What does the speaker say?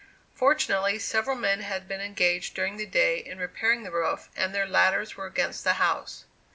Fortunately, several men had been engaged during the day in repairing the roof, and their ladders were against the house.